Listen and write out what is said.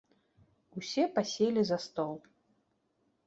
Усе паселі за стол.